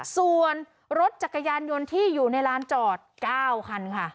ส่วนรถจักรยานยนต์ที่อยู่ในร้านจอด๙คันค่ะ